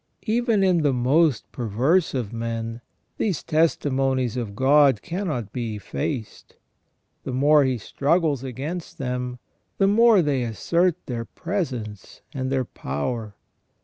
Even in the most perverse of men these tes timonies of God cannot be effaced : the more he struggles against them, the more they assert their presence and their power.